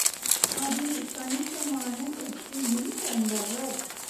அதில் கணிசமான வெற்றியும் கண்டவர்.